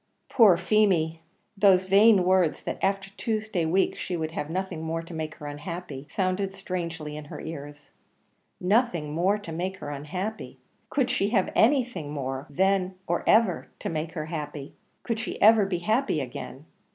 Poor Feemy! those vain words that "after Tuesday week she would have nothing more to make her unhappy," sounded strangely in her ears. Nothing more to make her unhappy! Could she have anything more, then or ever, to make her happy? Could she ever be happy again?